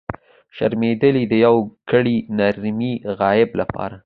شرمېدلی! د یوګړي نرينه غایب لپاره.